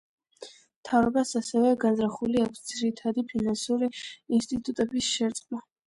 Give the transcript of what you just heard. მთავრობას ასევე განზრახული აქვს ძირითადი ფინანსური ინსტიტუტების შერწყმა.